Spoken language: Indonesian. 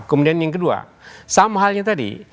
kemudian yang kedua sama halnya tadi